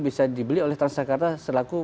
bisa dibeli oleh transjakarta selaku